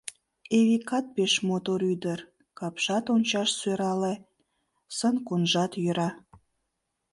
Эвикат пеш мотор ӱдыр: капшат ончаш сӧрале, сын-кунжат йӧра.